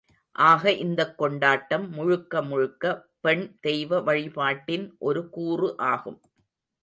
ஆக இந்தக் கொண்டாட்டம் முழுக்க முழுக்க பெண் தெய்வ வழிபாட்டின் ஒரு கூறு ஆகும்.